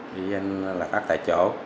diesel là phát tại chỗ